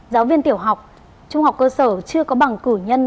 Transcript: giáo viên tiểu học trung học cơ sở chưa có bằng cử nhân